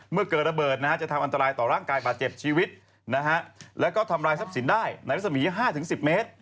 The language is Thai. เมื่อเกิดระเบิดจะทำอันตรายต่อร่างกายปาเสียบชีวิตและทำรายซับสินได้ณสมัย๕๑๐เมตร